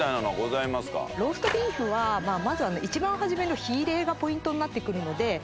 ローストビーフはまず一番初めの火入れがポイントになってくるので。